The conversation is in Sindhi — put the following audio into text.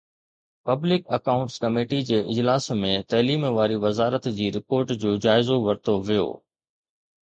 پبلڪ اڪائونٽس ڪميٽي جي اجلاس ۾ تعليم واري وزارت جي رپورٽ جو جائزو ورتو ويو